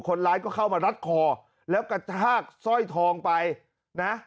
คนร้ายก็เข้ามารัดคอแล้วกระชากสร้อยทองไปนะ